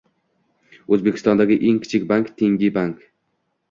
O'zbekistondagi eng kichik bank - Tenge Bank